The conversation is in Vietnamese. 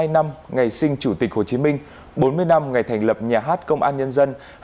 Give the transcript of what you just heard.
một trăm ba mươi hai năm ngày sinh chủ tịch hồ chí minh bốn mươi năm ngày thành lập nhà hát công an nhân dân